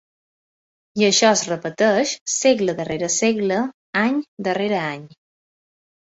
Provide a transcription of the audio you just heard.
I això es repeteix segle darrere segle, any darrere any.